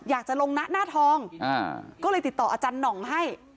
อยากจะลงหน้าทองก็เลยติดต่ออาจารย์หน่องให้